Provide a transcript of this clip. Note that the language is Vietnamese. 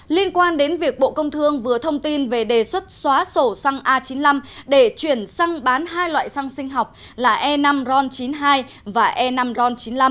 liên quan đến việc bộ công thương vừa thông tin về đề xuất xóa sổ xăng a chín mươi năm để chuyển sang bán hai loại xăng sinh học là e năm ron chín mươi hai và e năm ron chín mươi năm